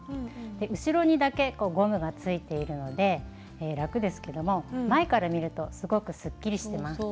後ろにだけゴムがついているので楽ですけども前から見るとすごくすっきりしてます。